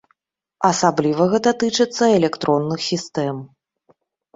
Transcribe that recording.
Асабліва гэта тычыцца электронных сістэм.